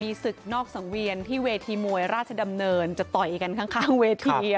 มีศึกนอกสังเวียนที่เวทีมวยราชดำเนินจะต่อยกันข้างเวที